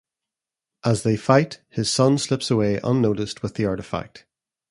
As they fight, his son slips away unnoticed with the artifact.